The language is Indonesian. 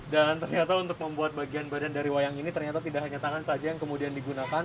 dan ternyata untuk membuat bagian badan dari wayang ini ternyata tidak hanya tangan saja yang kemudian digunakan